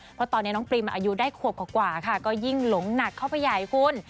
เพราะตอนนี้น้องปริมอายุได้ขวบกว่าค่ะก็ยิ่งหลงหนักเข้าไปใหญ่คุณ